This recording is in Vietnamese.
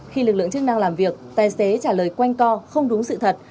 khi lực lượng chức năng làm việc tài xế trả lời quanh co không đúng sự thật